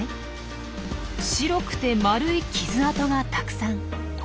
白くて丸い傷痕がたくさん！